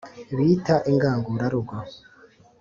Bita Ingangurarugo